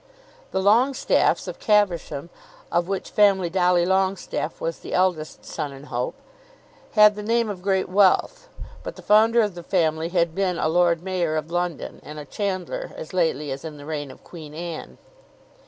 The Longestaffes of Caversham, of which family Dolly Longestaffe was the eldest son and hope, had the name of great wealth, but the founder of the family had been a Lord Mayor of London and a chandler as lately as in the reign of Queen Anne.